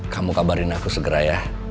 kamu kabarin aku segera ya